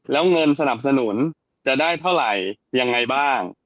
แล้วเงินสนับสนุนจะได้เท่าไหร่ยังไงบ้าง